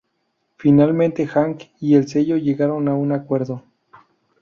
Finalmente, Hank y el sello llegaron a un acuerdo.